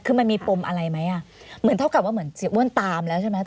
คือมันมีปมอะไรไหมอ่ะเหมือนเท่ากับว่าเหมือนเสียอ้วนตามแล้วใช่ไหม